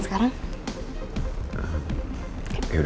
gue akan kembali ke kampus